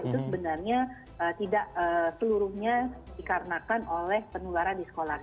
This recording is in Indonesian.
itu sebenarnya tidak seluruhnya dikarenakan oleh penularan di sekolah